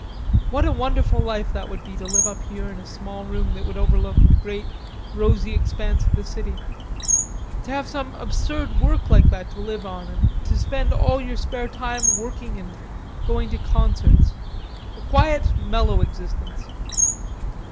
"What a wonderful life that would be to live up here in a small room that would overlook the great rosy grey expanse of the city, to have some absurd work like that to live on, and to spend all your spare time working and going to concerts.... A quiet mellow existence....